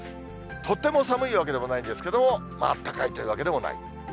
とても寒いわけではないんですけれども、あったかいというわけでもない。